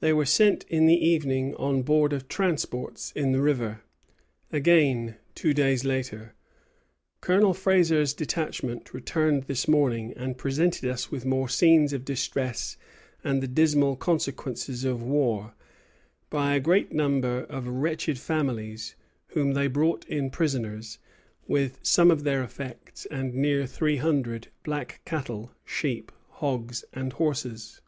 They were sent in the evening on board of transports in the river." Again, two days later: "Colonel Fraser's detachment returned this morning, and presented us with more scenes of distress and the dismal consequences of war, by a great number of wretched families, whom they brought in prisoners, with some of their effects, and near three hundred black cattle, sheep, hogs, and horses."